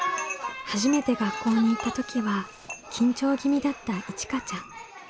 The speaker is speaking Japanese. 初めて学校に行った時は緊張気味だったいちかちゃん。